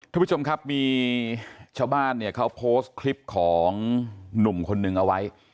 ทุกผู้ชมครับมีชาวบ้านเนี่ยเขาโพสต์คลิปของหนุ่มคนนึงเอาไว้